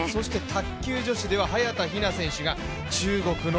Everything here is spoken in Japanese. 卓球女子では早田ひな選手が中国の